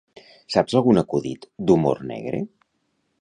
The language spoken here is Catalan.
Saps algun acudit d'humor negre?